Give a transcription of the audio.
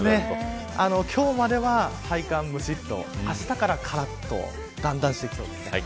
今日までは体感むしっとあしたからからっとだんだんとしてきそうです。